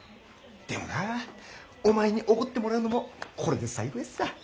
でもなお前におごってもらうのもこれで最後ヤッサ。